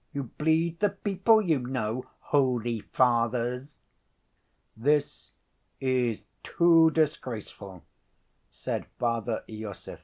You bleed the people, you know, holy fathers." "This is too disgraceful!" said Father Iosif.